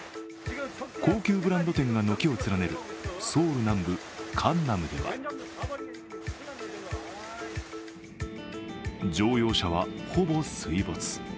高級ブランド店が軒を連ねるソウル南部カンナムでは手て乗用車は、ほぼ水没。